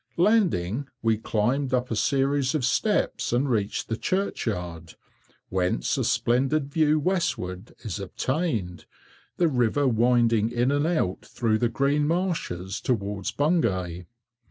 Landing, we climbed up a series of steps and reached the churchyard, whence a splendid view westward is obtained, the river winding in and out through the green marshes towards Bungay.